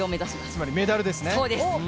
つまりメダルですね。